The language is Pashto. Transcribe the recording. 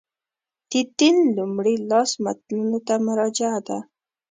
د دین لومړي لاس متنونو ته مراجعه ده.